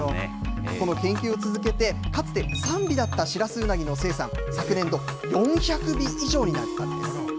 この研究を続けて、かつて３尾だったシラスウナギの生産、昨年度、４００尾以上になったんです。